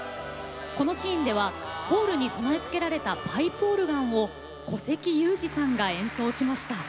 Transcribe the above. このシーンではホールに備え付けられたパイプオルガンを古関裕而さんが演奏しました。